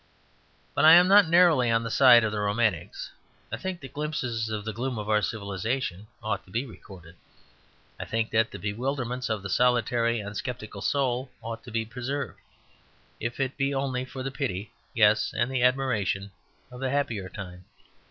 But I am not narrowly on the side of the romantics. I think that glimpses of the gloom of our civilization ought to be recorded. I think that the bewilderments of the solitary and sceptical soul ought to be preserved, if it be only for the pity (yes, and the admiration) of a happier time.